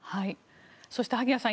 そして萩谷さん